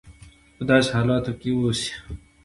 په داسې حالاتو کې اوسي.